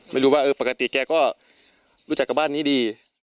ไม่รู้ว่าปกติแกก็รู้จักกับบ้านนี้ดี